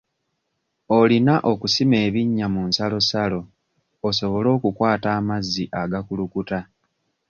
Olina okusima binnya mu nsalosalo osobole okukwata amazzi agakulukuta.